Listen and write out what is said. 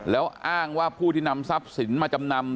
แล้วอ้างว่าผู้ที่นำทรัพย์สินมาจำนำ